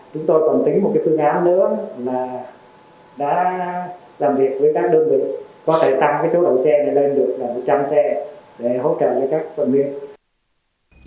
chúng tôi còn tính một cái phương án nữa là đã làm việc với các đơn vị có thể tăng cái số đầu xe này lên được là một trăm linh xe để hỗ trợ với các phần nguyên